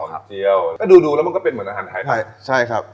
นี่กุ้งต้องเก็บในตู้เย็นนะครับ